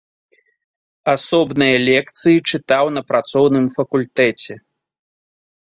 Асобныя лекцыі чытаў на працоўным факультэце.